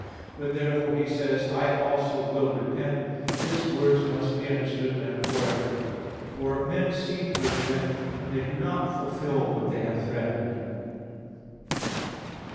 When therefore He says, "I also will repent," His words must be understood metaphorically. For men seem to repent, when they do not fulfill what they have threatened.